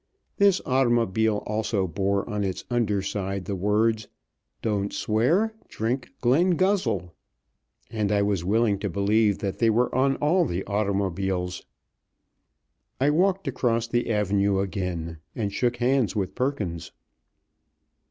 This automobile also bore on its underside the words: "Don't swear. Drink Glenguzzle." And I was willing to believe that they were on all the automobiles. I walked across the avenue again and shook hands with Perkins.